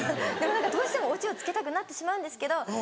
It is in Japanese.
でも何かどうしてもオチをつけたくなってしまうんですけど。